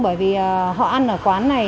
bởi vì họ ăn ở quán này